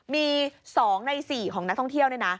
มี๒ใน๔ของนักท่องเที่ยวเนี่ยนะ